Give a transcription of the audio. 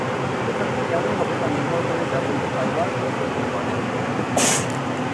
পোশাকটি কেমন হবে তা নির্ভর করে ব্যবহৃত ফাইবার বা তন্তুর মানের উপরে।